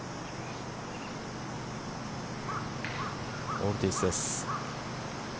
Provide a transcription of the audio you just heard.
オルティーズです。